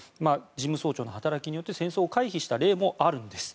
事務総長の働きによって戦争を回避した例もあるんです。